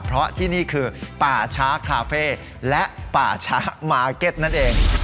เพราะที่นี่คือป่าช้าคาเฟ่และป่าช้ามาร์เก็ตนั่นเอง